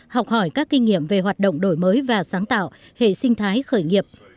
học hỏi các kinh nghiệm về hoạt động đổi mới và sáng tạo hệ sinh thái khởi nghiệp